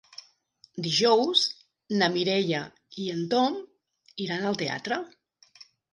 Dijous na Mireia i en Tom iran al teatre.